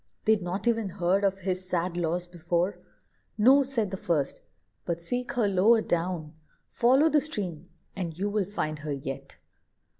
They'd not e'en heard of his sad loss before. "No," said the first; "but seek her lower down: Follow the stream, and you will find her yet."